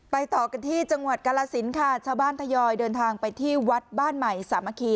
ต่อกันที่จังหวัดกาลสินค่ะชาวบ้านทยอยเดินทางไปที่วัดบ้านใหม่สามัคคี